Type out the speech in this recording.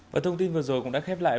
và thông tin vừa rồi cũng đã khép lại